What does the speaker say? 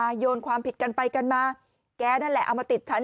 โยนความผิดกันไปกันมาแกนั่นแหละเอามาติดฉัน